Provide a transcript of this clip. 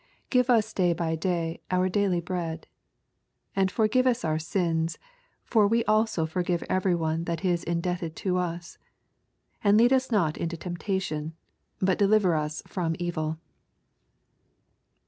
8 Give us day by day our duly bread. 4 And forgive us our sins ; for we also forgive every one that is in debted to us. And lead us not into temptation ; bat deliver us from evil.